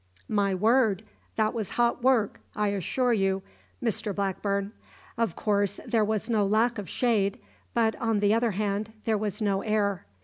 "My word! that was hot work, I assure you, Mr Blackburn. Of course there was no lack of shade, but, on the other hand, there was no air.